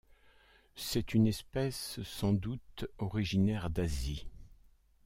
C'est une espèce sans doute originaire d'Asie.